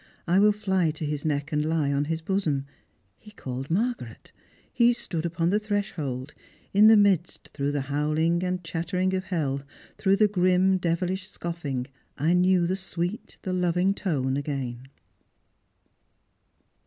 I will fly to his neck, and lie on his bosom. He called Margaret ! He stood upon the threshold, lu the midst— through the howling and chattering of hell— through the grim, devilish scoffing— I knew the sweet, the loving tone again."